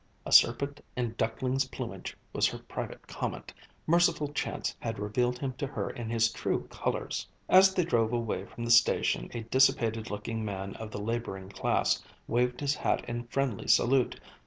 "A serpent in duckling's plumage," was her private comment; merciful chance had revealed him to her in his true colours. As they drove away from the station a dissipated looking man of the labouring class waved his hat in friendly salute.